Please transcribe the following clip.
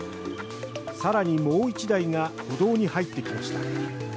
更にもう１台が歩道に入ってきました。